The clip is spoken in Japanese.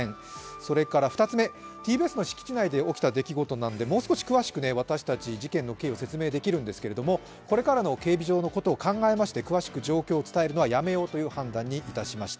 それから２つ目、ＴＢＳの敷地内で起きた出来事なのでもう少し詳しく私たち、事件の経緯を説明できるんですけれども、これからの警備上のことを考えまして詳しく状況を伝えるのはやめようという判断にいたしました。